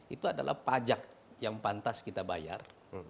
itu adalah pajak yang pantas kita bayar